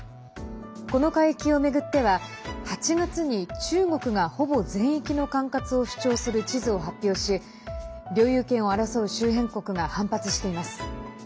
この海域を巡っては８月に中国がほぼ全域の管轄を主張する地図を発表し領有権を争う周辺国が反発しています。